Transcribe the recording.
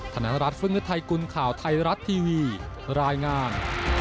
ธนรัฐฟึ่งฤทัยกุลข่าวไทยรัฐทีวีรายงาน